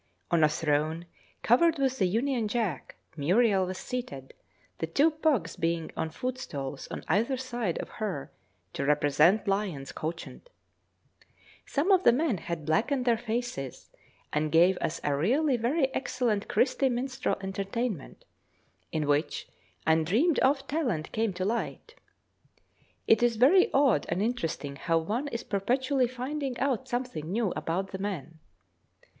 On a throne covered with the Union Jack, Muriel was seated, the two pugs being on footstools on either side of her to represent lions couchant. Some of the men had blackened their faces, and gave us a really very excellent Christy Minstrel entertainment, in which undreamed of talent came to light. It is very odd and interesting how one is perpetually finding out something new about the men.